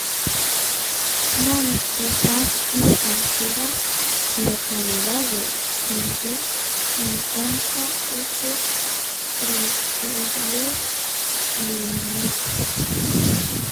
Non se fan en calquera localidade sen ter en conta eses criterios clínicos.